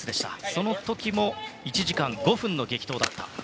その時も１時間５分の激闘だった。